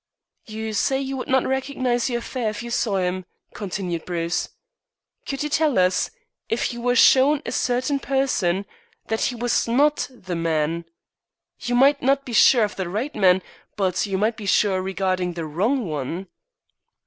"You say you would not recognize your fare if you saw him," continued Bruce. "Could you tell us, if you were shown a certain person, that he was not the man? You might not be sure of the right man, but you might be sure regarding the wrong one."